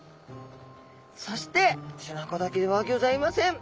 そして背中だけではギョざいません！